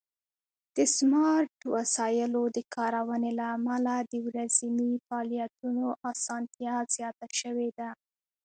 د سمارټ وسایلو د کارونې له امله د ورځني فعالیتونو آسانتیا زیاته شوې ده.